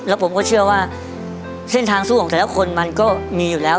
แล้วผมก็เชื่อว่าเส้นทางสู้ของแต่ละคนมันก็มีอยู่แล้ว